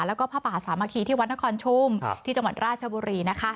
แล้วก็ผ้าป่าสามัคคีที่วัดนครชุมที่จังหวัดราชบุรีนะคะ